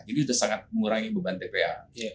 jadi udah sangat mengurangi beban tpa